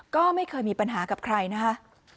ก็ไม่เคยมีปัญหากับใครนะคะ